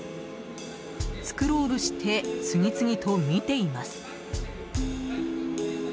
スクロールして次々と見ています。